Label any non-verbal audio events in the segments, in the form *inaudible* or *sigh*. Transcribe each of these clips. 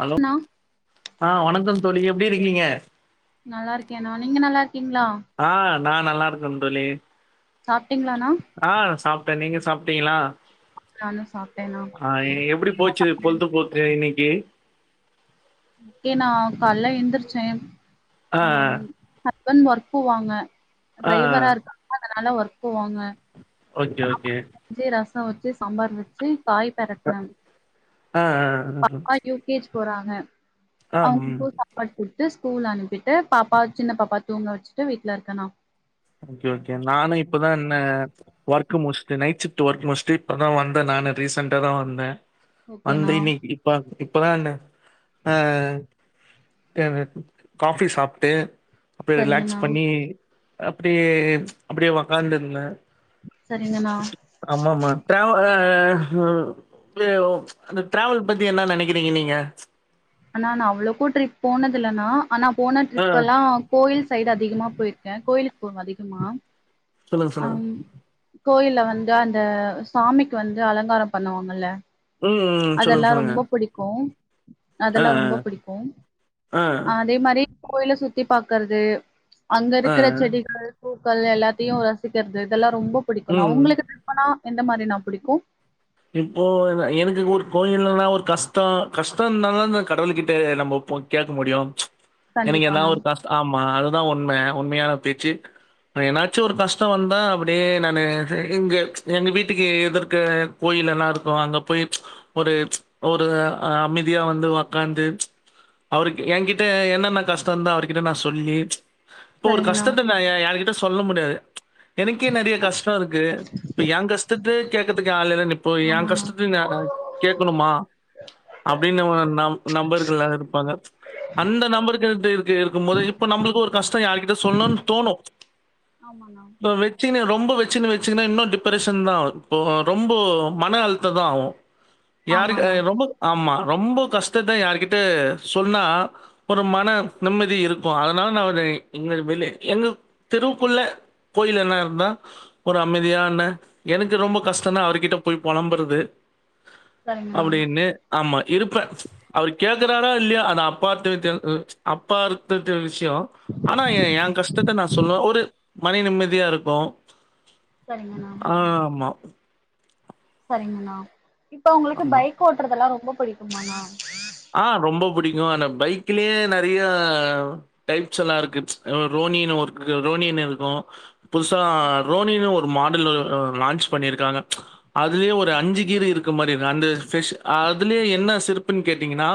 Hello ண்ணா ஆஹ வணக்கம் தோழி எப்டி இருக்கீங்க நல்லாருக்கே ணா நீங்க நல்லார் கிங்ளா நான் நல்லார்க்கேன் தோழி சாப்பிடீங்ளான்னா ஆ சாப்ட்டே நீங்க சாப்பிடீங்களா சாப்ட்டேண்ணா ஆஹ எப்படி போச்சு பொழுது போக்கு இன்னைக்கு ஏய் ஏ நா கால எந்துருச்சே ஆ ஆஹம் ஹக் உடன் ஒர்க் போவாங்க ஆ டிரைவரா இருக்காங்க அதனால ஒர்க் போவாங்க ஓகே ஓகே ரசம் வச்சு சாம்பார் வச்சு காய் பேரட்நாங்க ஆஹ் ஆஹ் ஆஹ போறாங்க அவங்கொ சாப்பாடு கோ ட்டு ஸ்கூல் அனுப்பிட்டு பாப்பா சின்ன பாப்பா தூங்க வச்சுட்டு வீட்ல இருக்கேணா ஓகே ஓகே நானும் இப்பதான் என்ன ஒர்க் முடிச்சிட்டு நைட்ஷிப்ட் ஒர்க் முடிச்சிட்டு இப்பதான் வந்தேன் நானே ரீசன்டாதான் வந்தேன் அந்த ஓகேண்ணா இன்னைக்கு இப்ப இப்பதான் என்ன அஹ் தேவ காஃபி சாப்புட்டு அப்படியே சரிங்கண்ணா ரிலாக்ஸ் பண்ணி அப்டியே ச் அப்டியே உட்காந்துயிருதந்தே சரிங்கண்ணா ஆம ஆமா ற்ற மா அந்த டிரவல் பத்தி என்ன நினைக்கிறீங்க நீங்க அண்ணா நான் அவ்வளோக்கு ட்ரிப் போனது இல்லான ஆனா போன ஆ. ட்ரிப் எல்லாம் கோயில்ஸ் சைடு அதிகமா போயிருக்கேன் கோயிலுக்கு போனும் அதிகமா சொல்லுங்க, சொல்லுங்க. அம் கோயில வந்து அந்த சாமிக்கு வந்து அலங்காரம் பண்ணுவாங்கல ம், ம். சொல்லுங்க, அதல்லாம் சொல்லுங்க. ரொம்ப புடிக்கும் ஆ, அதல்லாம் ரொம்ப பிடிக்கும் ஆ, ஆ, ஹ அதே மாதிரி கோயில சுத்தி பாக்குறது அங்க ஆ, இருக்குர செடிகள் பூ க்கல் எல்லாத்தையும் ரசிக்குரது இதல்லாம் ரொம்ப பிடிக்கும்னா ம். உங்களுக்குவிருப்பனா எந்த மாரி நா புடிக்கும் இப்போ எனக்கு ஒரு கோயிலுனா ஒரு கஷ்டம் கஷ்டம்னான தான் கடவுளுக்கிட்ட நம்மபோய் கேட்க முடியும் எனக்கு ஏதாவ கண்டிப்பாண்ணா ஒரு கஷ்டம் ஆமா அது இதுதான் உண்ம உண்மையான பேச்சு என்னாச்சும் ஒரு கஷ்டம் வந்தா அப்படியே நானு இங்க எங்க வீட்டுக்கு எதிர்க்க கோயில எல்லாம் இருக்கும் அங்க போய் ஒரு ஒரு அமைதியா வந்து உக்காந்து அவரு என்கிட்ட என்னென்ன கஷ்டம் இருந்தா அவர்கிட்ட நான் சொல்லி இப்ப ஒரு சரிங்கண்ணா கஷ்டத்த நான் யார்கிட்டையும் சொல்ல முடியாது எனக்கே நிறய கஷ்டம் இருக்கு இப்ப எங்கஷ் த்து கேக்குத்துக்கு ஆள் இல்ல இப்போ என் ஆமாண்ணா கஷ்டத்தையும் னாள கேட்கணுமா அப்படின்னு ந நம்பர்கள் யாரவது இருப்பாங்க அந்த நம்பர்கள் இரு இருக்கும் போது இப்ப நம்மளுக்கு ஒரு கஷ்டம் யாரு்கிட்ட சொல்லணும்னு தோணும் ஆமாண்ணா இப்ப வெச்சினு *unintelligible* ரொம்ப வச்சுன்னு வச்சுங்குன்னா இன்னும் டிப்ரஷன் தான் ரொம்ப மனஅழுத்தம் தான் ஆகும் யாருக்கு ஆமாண்ணா ரொம்ப ஆமா ரொம்ப கஷ்டத்தா யார்கிட்ட சொன்னா ஒரு மன நிம்மதி இருக்கும் அதனால நான் எங்க வெள்ள எங்க தெருக்குள்ள கோயில் என்ன இருந்தான் ஒரு அமைதியான எனக்கு ரொம்ப கஷ்டம் தான் அவர்கிட்ட போய் புழம்புறது சரிங்கண்ணா அப்டின்னு ஆமா இருப்பேன் அவரு கேக்குறாரா இல்ல அது அப்பார்த் அப்பார்துட்ட விஷயம் ஆனா என் என் கஷ்டத்த நான் சொல்லுவேன ஒரு மணி நிம்மதியா இருக்கும் சரிங்கண்ணா ஆஹ் ஆமா சரிங்கணா இப்ப உங்களுக்கு ஆமா. பைக் ஓட்டுறதெல்லாம் ரொ ரொம்ப பிடிக்குமா நா ஆஹ் ரொம்ப புடிக்கும் ஆனா பைக்லே நரியா டைய்ப்ஸ்யெல்லாம் இருக்கு ரோனின்னு ஒன் ச் ரோனினு இருக்கும் புதுசா ஓகேண்ணா ரோனின்னு ஒரு மாடல் லான்ச் பண்ணியிருக்காங்க அதுலயே ஒரு அஞ்சு கீர் இருக்கு மாதிரி இருக்கு அந்த ஷ அதுலே என்ன சிறப்புனு கேட்டீங்கனா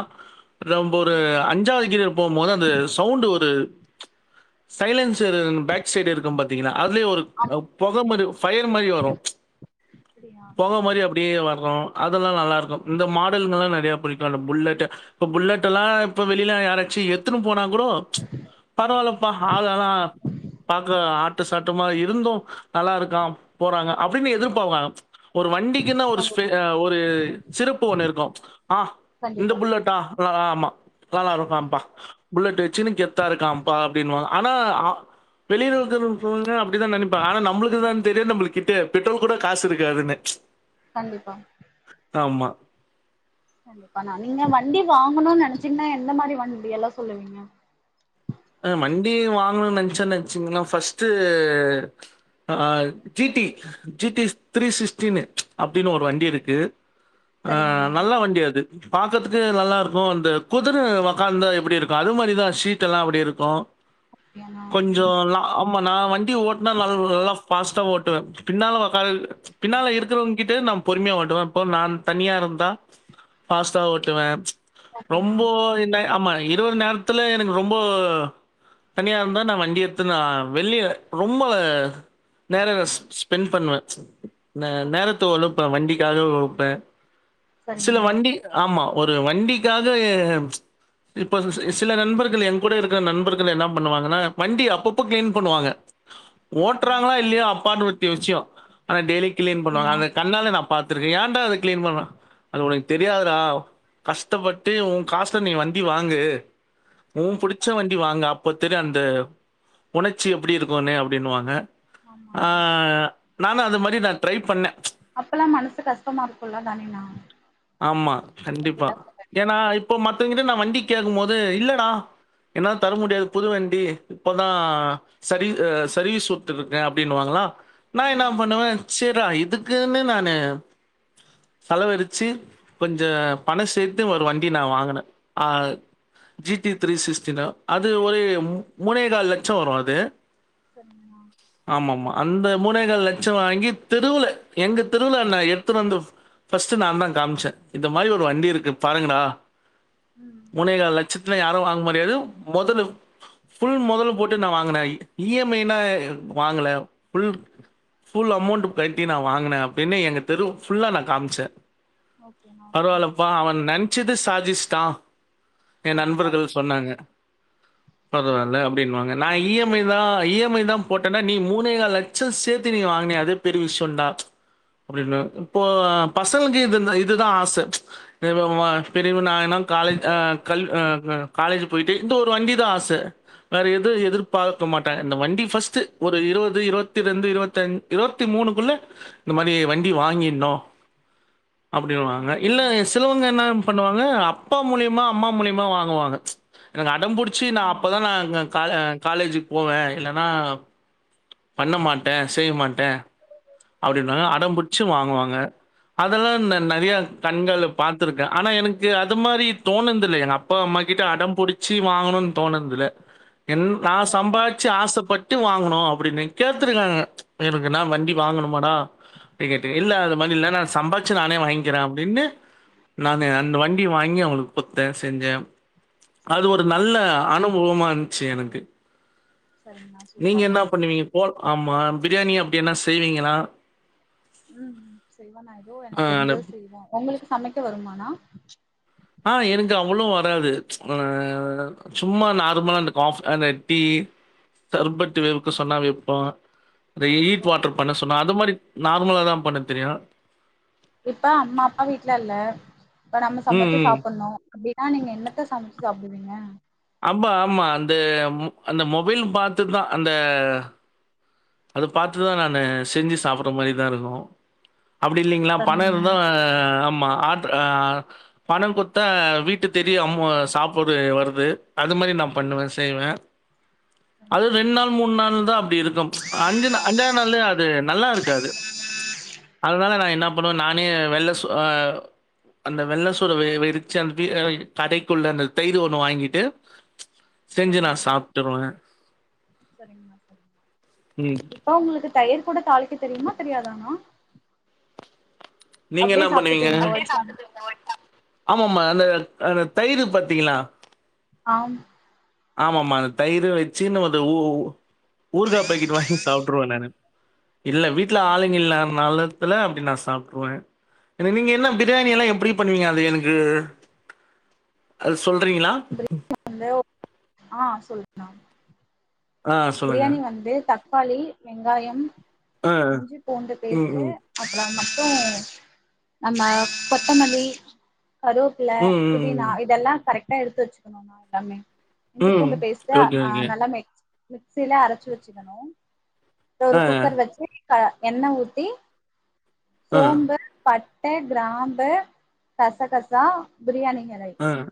நம்பொரு சரிங்கண்ணா அஞ்சாவது கீருக்கு போம் போது அந்த சவுண்ட் ஒரு சைலன்சரு பேக் சைடு இருக்கும் பாத்தீங்கனா அதுலயே ஒரு பொக மறி ஃபயர் மாரி வரும் அப்படியா பொக மாதிரி அப்படியே வரும் அதல்லாம் நல்லா இருக்கும் இந்த மாடலெல்லா நறைய புடிக்கும் புல்லெட் இப்ப புல்லெட்டலாம் இப்ப வெளியில யாராச்சும் எத்துனு போனாங்க இப்போ ச் பரவாயில்லாப்பா அதல்லாம் பாக்க ஆட்ட சாட்டமா இருந்தும் நல்லா இருகான் போறாங்க அப்படின்னு எதிர்பாங்க ஒரு வண்டிக்குனு ஒரு் ப் கண்டிப்பா ஹா ஒரு சிறப்பு ஒண்ணு இருக்கும் ஆஹ் இந்த கண்டிப்பா புல்லடா ஆமா நல்லா இருக்கம்பா புல்லெட் வச்சுன்னு கெத்தா இருக்காம்பா அப்படின்னுவாங்க ஆனா வெளியிலாயிருக்கோங்க அப்டித்தான் நினப்பாங்க ஆனா நம்மளுக்குதான் தெரியும் நம்ம கிட்ட பெட்ரோல் கூட காசு இருக்காதூனு கண்டிபா ஆமா கண்டிபானா நீங்க வண்டி வாங்கணும்னு நினச்சீங்கனா எந்த மாதிரி வண்டியெல்லாம் சொல்லுவீங்க வண்டி வாங்கணனு நினச்சே நினச்சேனுவச்சீங்கலே ஃபஸ்ட்டு அஹ் G T G T three சிக்சிஸ்டின்னு அப்டின்னு ஒரு வண்டி இருக்கு அஹ் சரிங்கண்ணா நல்லா வண்டி அது பாக்குறதுக்கே நல்லா இருக்கும் அந்த குதுர வக்காந்தா எப்டி இருக்கும் அது மாதிரிதான் சீ்ட்டலாம் அப்படி இருக்கு ஹாவ் ஓகேண்ணா ம் கொஞ்சம் லாப் ஆமா நா வன்ட் வண்டி ஓட்னா ந நல்லா ஃபாஸ்டா ஓட்டுவே பின்னால ஒக்காந் பின்னால இருக்கிறவங் ங்கிட்டு நா பொறுமையா ஓட்டுவே இப்ப நா தனியா இருந்தா ஃபாஸ்ட்டா ஓட்டுவே ஓகேண்ணா ரொம்போ என்ன ஆமா இரவு நேரத்துல எனக்கு ரொம்போ தனியா இருந்தா நா வண்டி எடுத்துனு ஆ வெளிய ரொம்ப நேரோ ஸ் ஸ்பெண்ட் பண்ணுவே ந ஓகே நேரத்த *unintelligible* வண்டி *unintelligible* சில சரிங்கண்ணா வண்டி ஆமா ஒரு வண்டிக்காக ஆ இப்ப சி சில நண்பர்கள் எங்கூட இருக் *unintelligible* நண்பர்கள் என்ன பண்ணுவாங்கன்னா வண்டிய அப்பப்ப கிளீன் பண்ணுவாங்க ஓகேண்ணா ஓட்றாங்களா இல்லியோ *unintelligible* நிச்சியோ ஆனா டெய்லி கிளீன் பண்ணுவாங்க ஓகேண்ணா அத கண்ணால நா பாத்திருக்கே ஏன்டா இது கிளீன் பண்ணலா அது *unintelligible* தெரியாதுடா கஷ்டப்பட்டு உன் காசுல நீ வண்டி வாங்கு உன் கண்டிப்பா *unintelligible* அப்ப தெரியு அந்த உணர்ச்சி எப்டி இருக்குன்னு அப்டின்னுவாங்க ஆமாண்ணா ஆஹ் நானு அது மாரி நா ட்ரை பண்ணே அப்பல்லா மனசு கஷ்டமா இருக்குல்ல தானேண்ணா ஆமா கண்டிப்பா அப்டிலா சொல்லுங்க ஏன்னா இப்ப மத்தவங்கிட்ட நா வன் கீ கேக்கும் போது இல்லடா என்னால தர முடியாது புது வண்டி இப்பதா சர்வீ ஆ சர்வீஸ் உட்ருக்கே அப்டின்னுவாங்களா நா என்னா ஆமாண்ணா பண்ணுவே சேர் தா இதுக்குன்னு நானு செலவழிச்சு கொஞ்ச பணம் சேத்து ஒரு வண்டி நா வாங்குனே ஆஹ் ஜி டி த்ரீ சிக்ஸ் ச்சுது அது ஒரு ம் மூணேகால் லட்சோ வரு அது சரிங்கண்ணா ஆமாமா. அந்த மூணே கால் லச்சோ வாங்கி தெருவுல எங்க தெருவுல நா எடுத்துனு வந்து ஃபஸ்ட்டு நாந்தா காமிச்சே இந்த மாரி ஒரு வண்டி இருக்கு பாருங்கடா ம் மூணே கால் லச்சத் இல்ல யாரும் வாங்க முடியாது மொதலு ஃபுல் மொதலும் போட்டு நா வாங்குனே இ எம் ஐ லா வாங்கல ஃபுல் ஃபுல் அமவுண்ட் கட்டி நா வாங்கினே அப்டின்னு எங்க தெரு ஃபுல்லா நா காமிச்சே ஓகேண்ணா ஓகேண்ணா பரவால்லப்பா அவ நென்ச்சுது சாதிச் த்த என் கண்டிப்பா நண்பர்கள் சொன்னாங்க ரொம்ப பரவால்ல அப்டினுவாங்க நான் இ எம் ஐ தா இ எம் ஐ தா போட் ஏண்டா நீ மூணேகால் லச்சோ சேத்து நீ வாங்குனியே அதே பெரிய விஷயண்டோ அப்டின்னாரு இப்போ பசங்களுக்கு இது இதுதா *unintelligible* பெரியவனாயிடனு காலேஜ் ஆ கல் ஆ காலேஜ் போயிட் ட்டு இந்த ஒரு வண்டிதா ஆசை வேற எதும் எதிர்ப் பாக்க மாட்டாங்க சந்தோஷம் இந்த வண்டி ஃபர்ஸ்ட்டு ஒரு இருபது இருபத்தி ரெண்டு இருபத்தி அஞ் இருபத்தி மூணுக்குள்ள இந்த மாரி வண்டி வாங்கிட்னு அப்டின்னுவாங்க இல்ல ஓகேண்ணா சிலவங்க என்ன பண்ணுவாங்க அப்பா மூலியமா அம்மா மூலியமா வாங்குவாங்க என்னனா அடம் புடிச்சி நா அப்பதா ஆமாண்ணா நா கால காலேஜுக்கு போவேன் இல்லன்னா பண்ண மாட்டே செய்ய மாட்டே அப்டின்றாங்க ஆமாங்க அடம்பிட்ச்சு வாங்குவாங்க அதெல்லா நெ கண்டிப்பா நெறைய கண்கள் த்திருக்க ஆனா எனக்கு அது மாரி தோணுன்து இல்ல எங்க அப்பா அம்மாகிட்ட அடம் புடிச்சு வாங்கணுன்னு தோணனுது இல்ல என் நா சரிங்க சம்பாதிச்சு ஆசைப்பட் ட்டு வாங்கணு அப்டின்னு கேத்துருக்காங்க எதுக்குனா வண்டி வாங்கணுமாடா அப்டினு கேட்ட இல்ல அது மாரி இல்ல நா சம்பாதிச்சு நானே வாங்கிக்கிறேன் அப்டின்னு நானு அந்த வண்டி வாங்கி அவங்களுக்கு குடுத்தே செஞ்சே அது ஒரு சரிங்கண்ணா நல்ல அனுபவமா ச்சு எனக்கு சரிங்கண்ணா நீங்க சூப்பர்ண்ணா என்ன பண்ணுவீங்க போ ஆமா பிரியாணி அப்டி என்ன ஸ் செய்வீங்களா உம் ம் செய்வோ நா ஏதோ ஆ எனக்கு தெரிஞ்சத அந்த செய்வோ உங்களுக்கு சமைக்க வருமா ஆ ஆஹ் எனக்கு அவ்ளவு வராது அஹ் சும்மா நார்மலா அந்த காஃப அந்த டீ *unintelligible* ஓகேண்ணா சொன்னா வைப்போ அத ஹீட் வாட்டர் ஓகேண்ணா பண்ண சொன்னா அது மாரி நார்மலாதா பண்ண தெரியு இப்ப அம்மா அப்பா வீட்டல இல்ல இப்ப நம்ம ம், சமைச்சு ம். சாப்படணு அப்டின்னா நீங்க என்னத்த சமைச்சு சாப்டுவீங்க அம்பா ஆமா அந்த அந்த மொபைல் பார்த்துதான் அந்த அத பாத்துதான் நானு செஞ்சு சாப்பிற மாதிரிதான் இருக்கோம் அப்படி இல்லைங்களா பண சரிங்கண்ணா தான் ஆமா ஆட்ரபணம் கொடுத்தா வீட்டு தெரியும் அம்மு சாப்பிடது வருது அது மாதிரி நான் பண்ணுவேன் செய்வேன் அது ரெண்டு கண்டிப்பாண்ணா நாள் மூணு நாள் தான் அப்படி இருக்கும் அஞ்சு அஞ்சாவது நாள் அது நல்லா இருக்காது அதனால நான் என்ன பண்ணுவேன் நானே வெள்ளை சுறஅ அந்த வெள்ளை சூற வெிரிச்சு அந்த கடைக்குள்ள அந்த தயிர் ஒண்ணு வாங்கிட்டு செஞ்சு நான் சாப்பிட்டுருவேன் சரிங்கா ம். ப்ப உங்களுக்கு தயிர் கூட தளிக்க தெரியுமா தெரியாதானா நீங்க என்ன பண்ணுவீங்க ஆமா ஆமா அந்த அட தயிர் பத்தீங்களா ஆம் ஆமா ஆமா அந்த தயிிர வச்சு நம்ம ஊ ஊர்கா பாக்கெட் வாங்கி சாப்பிட்டுருவவேன் நானு இல்லை வீட்டில் ஆளுங்க அப்படியாண்ணா இல்லனாலு இல அப்படி நான் சாப்பிருவேன் ஏ நீங்க என்ன ஓகே பிரியாணி எல்லா எப்படி ஓகே பண்ணுவீங்க அது எனக்கு அது சொல்றீங்கிளா ஆ சொல்லு நா ஆ சொல்லுங்க பிரியாணி வந்து த தப்பாளி வெங்காயம் ஆ இஞ்சி பூண்டு ம் பேஸ்ட் ம் அப்பும் இப்ப நம்ம கொத்தமல்லி கருப்புல ம் ம் புதினா ம் இதெல்லாம் கரெட் இத எடுத்து வச்சுணும்னா எல்லாமே இஞ்சி ம் பூண்டு பேஸ்ட் ஓகே அஹ் ஓகே நல்லா மேச் மிக்சில அரைச்சு வச்சுக்கணும் இப்ப ஒரு ஆ குக்கர் வச்சி பா என்ன ஊட்டி ஆ சோம்பு பட் முட்ட கிராம்ப கசகசா பிரியாணி ஆஹ்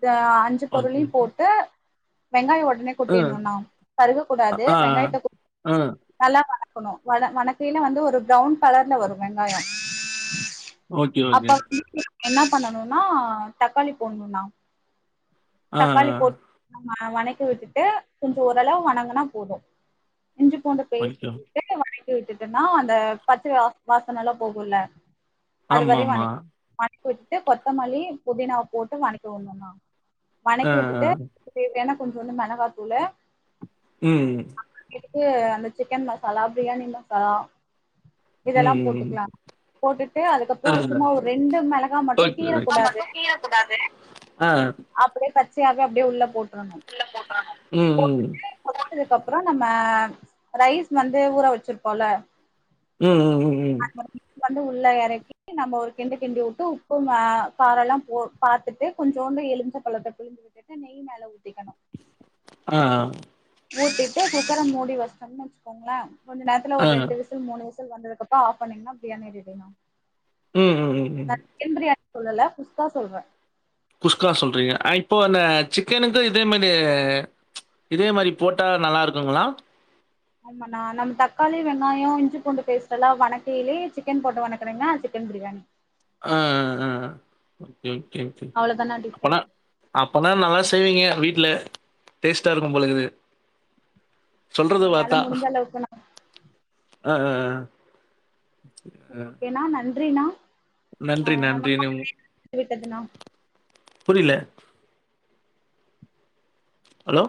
இத அஞ்சு பொருளையும் போட்டு வெங்காயம் ஒட் உள்ள ஆ கொட்டியிரணுன்னா கருகக் கூடாது ஆ வெங்காயத்த கொ ஆ நல்லா *unintelligible* க்கணு வண வணக்கையில வந்து ஒரு ப்ரௌன் கலர்ல வரு வெங்காயோ ஓகே அப்ப ஓகே வந்து என்ன பண்ணணுன்னா தக்காளி போடுன்ண்ணா ஆஹ் ஆஹ் நல்லா வணக்கி விட்டுட்டு கொஞ்சோ ஓரளவு வனங்குனா போது இஞ்சி பூண்டு ஓகே பேஸ்ட்டு ஓகே போட்டு *unintelligible* விட்டுட்டுன்னா அந்த பச்ச வாச வாசனை எல்லாம் போகும்ல அது வரையு ஆமாம்மா வணக்கி விட்டுட்டு கொத்தமல்லி புதினாவ போட்டு வணக்கி உடணுன்னா ஆ வணக்கி ஆ விட்டுட்டு தேவையான கொஞ்சோண்டு மெளகாத்தூளு உம் ட்டுட்டு அந்த சிக்கன் மசாலா பிரியாணி மசாலா இதெல்லா ம் போட்டுக்கலா போட்டுட்டு ஆ அதுக்கப்றோ சும்மா ஒரு ரெண்டு மெளகா மட்டு ஓகே கீறக் கூடாது ஓகே ஆ அப்டியே கட் சேரி அத அப்டியே உள்ள போட் இல்ல போட்றாங்க உம் உம் கொதுச்சதுக்கு அப்றோ நம்ம ரைஸ் வந்து ஊற வச்சிருப்போம்ல ம் ம் ம் ம் வந்து உள்ள எறக்கி நம்ம ஒரு கிண்டு கிண்டி விட்டு உப்பு மெ காரோ எல்லாம் போ பாத்துட்டு கொஞ்சோண்டு எலுமிச்சம் பழத்த புழிஞ்சு விட்டுட்டு நெய் மேல ஊத்திக்கணு ஆஹ் ஊட்டிட்டு குக்கர மூடி வச்சுட்டோம்னு வச்சுக்கோங்களே கொஞ்ச நேரத்துல ஆ ஒரு ரெண்டு விசில் மூணு விசில் விசில் வந்ததுக்கு அப்றோ ஆஃப் பண்ணீங்கன்னா பிரியாணி ரெடிண்ணா உம் உம் உம் உம் சொல்லல குஸ்கா சொல்வே குஸ்கா சொல்றீங்க *unintelligible* இப்போ இந்த சிக்கனுக்கு இதே மாதிரி இதே மாரி போட்டா நல்லா இருக்குங்களா ஆமாண்ணா நம்ம தக்காளி வெங்காயோ இஞ்சி பூண்டு பேஸ்ட் எல்லா வணக்கியலயே சிக்கன் போட்டு வணக்குனீங்கனா சிக்கன் பிரியாணி ஆ ஆ ஓகே ஓகே அவ்ளோதாண்ணா அப்பனா டிஃப்ரெண்ட் அப்பனா நல்லா ஸ் செய்வீங்க வீட்ல டேஸ்ட்டா இருக்கும் போல இருக்குது சொல்றது என்னால பாத்தா முடிஞ்ச அளவுக்குண்ணா அ ஆ ஆ சரி ஓகேனா நன்றி ப்ரீனா நன்றி, அ நன்றின்னு நமக்கவிட்டதுனா புரில ஹலோ